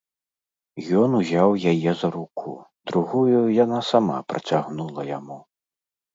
Ён узяў яе за руку, другую яна сама працягнула яму.